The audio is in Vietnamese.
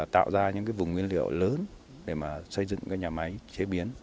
tạo ra những vùng nguyên liệu lớn để xây dựng nhà máy chế biến